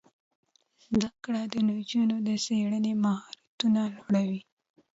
زده کړه د نجونو د څیړنې مهارتونه لوړوي.